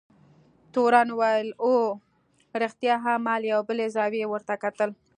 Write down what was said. تورن وویل: اوه، رښتیا هم، ما له یوې بلې زاویې ورته کتل.